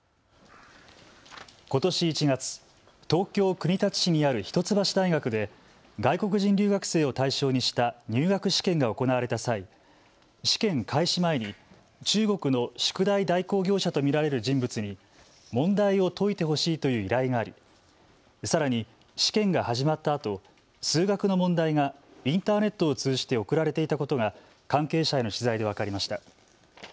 ことし１月、東京・国立市にある一橋大学で外国人留学生を対象にした入学試験が行われた際、試験開始前に中国の宿題代行業者と見られる人物に問題を解いてほしいという依頼があり、さらに試験が始まったあと数学の問題がインターネットを通じて送られていたことが関係者への取材で分かりました。